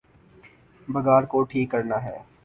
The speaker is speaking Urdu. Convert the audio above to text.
بگاڑ کو ٹھیک کرنا ہے۔